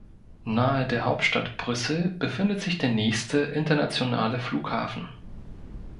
Nahe der Hauptstadt Brüssel befindet sich der nächste internationale Flughafen.